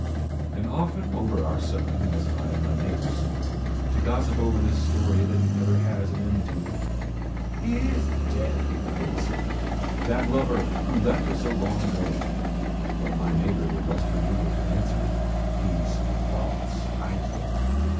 And often over our sewing, As I and my neighbour sit To gossip over this story That has never an end to it, "He is dead," I would say, "that lover, Who left her so long ago," But my neighbour would rest her needle To answer, "He's false I know."